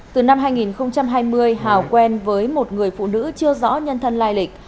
từ năm hai nghìn hai mươi hào quen với một người phụ nữ chưa rõ nhân thân lai lịch